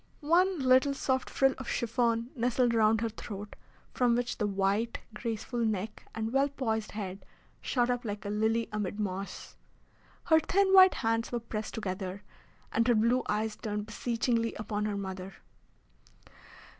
One little soft frill of chiffon nestled round her throat, from which the white, graceful neck and well poised head shot up like a lily amid moss. Her thin white hands were pressed together, and her blue eyes turned beseechingly upon her mother.